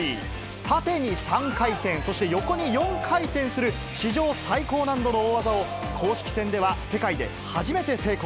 縦に３回転、そして横に４回転する、史上最高難度の大技を、公式戦では世界で初めて成功。